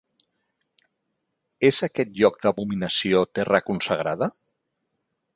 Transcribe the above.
És aquest lloc d'abominació terra consagrada?